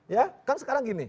ya kan sekarang gini